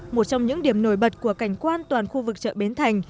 một trong những điểm nổi bật của cảnh quan toàn khu vực chợ bến thành